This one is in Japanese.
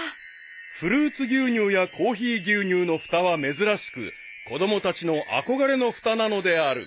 ［フルーツ牛乳やコーヒー牛乳のふたは珍しく子供たちの憧れのふたなのである］